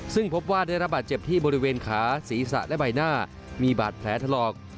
ซึ่งพบว่าได้รับบาดเจ็บที่บริเวณขาศีรษะและใบหน้ามีบาดแผลถลอก